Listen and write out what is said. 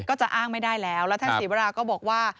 ก็จะอ้างไม่ได้แล้วแล้วท่านศรีวราก็บอกว่า